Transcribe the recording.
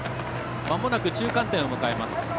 まもなく中間点を迎えます。